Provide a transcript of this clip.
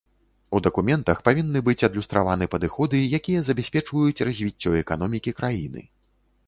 У дакументах павінны быць адлюстраваны падыходы, якія забяспечваюць развіццё эканомікі краіны.